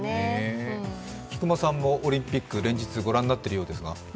菊間さんもオリンピック、連日御覧になっているようですが？